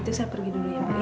itu saya pergi dulu ya bu ya